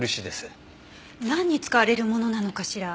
なんに使われるものなのかしら？